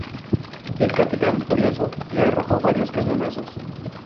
El capitán, furioso, le arrojó varios cañonazos.